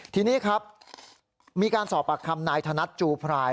ทีนี้ครับมีการสอบปากคำนายธนัดจูพราย